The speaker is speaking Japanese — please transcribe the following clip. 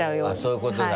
そういうことだ。